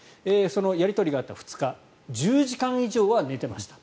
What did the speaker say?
やり取りがあった２日は１０時間以上は寝てました